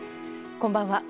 こんばんは。